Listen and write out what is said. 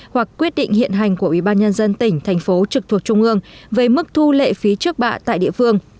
hoặc quyết định hiện hành của ubnd tỉnh thành phố trực thuộc trung ương với mức thu lệ phí trước bạ tại địa phương